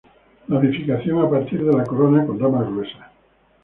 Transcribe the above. Ramificación a partir de la corona, con ramas gruesas.